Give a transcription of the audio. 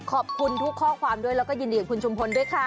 ขอบคุณทุกข้อความด้วยแล้วก็ยินดีกับคุณชุมพลด้วยค่ะ